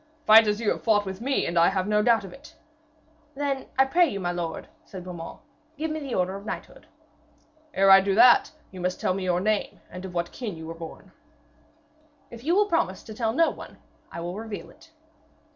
'Fight as you have fought with me, and I have no doubt of you.' 'Then, I pray you, my lord,' said Beaumains, 'give me the order of knighthood.' 'Ere I do that, you must tell me your name and of what kin you were born,' replied Sir Lancelot. 'If you will promise to tell no one, I will reveal it.'